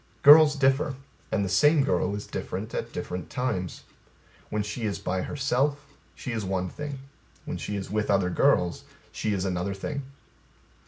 Girls differ; and the same girl is different at different times. When she is by herself, she is one thing. When she is with other girls she is another thing.